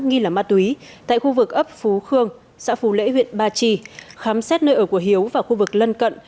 nghi là ma túy tại khu vực ấp phú khương xã phú lễ huyện ba trì khám xét nơi ở của hiếu và khu vực lân cận